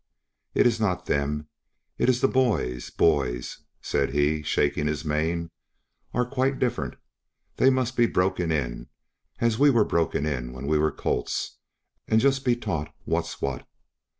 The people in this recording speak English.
It is not them, it is the boys; boys," said he, shaking his mane, "are quite different, they must be broken in, as we were broken in when we were colts, and just be taught what's what.